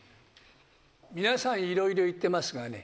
皆さんいろいろ言ってますがね